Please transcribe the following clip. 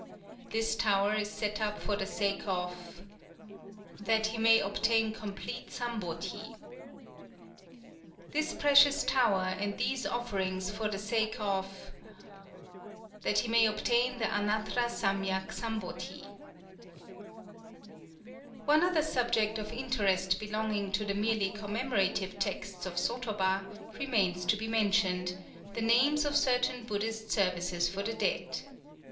"This tower is set up for the sake of , that he may obtain complete Sambodhi." "This precious tower and these offerings for the sake of , that he may obtain the Anattra Sammyak Sambodhi." One other subject of interest belonging to the merely commemorative texts of sotoba remains to be mentioned, the names of certain Buddhist services for the dead.